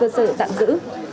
sự tạm giữ